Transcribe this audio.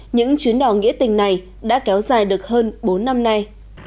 những chuyến đò nghĩa tình này đã kéo dài được hơn bốn năm nay